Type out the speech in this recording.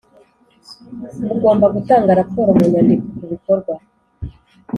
Mugomba gutanga raporo mu nyandiko ku bikorwa